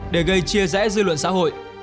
để gây chia rẽ dư luận xã hội